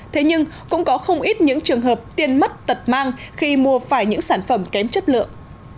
thế nhưng cũng có không ít những trường hợp tiền mất tật mang khi mua phải những sản phẩm kém chất lượng